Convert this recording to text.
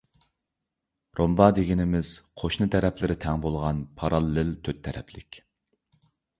رومبا دېگىنىمىز، قوشنا تەرەپلىرى تەڭ بولغان پاراللېل تۆت تەرەپلىك.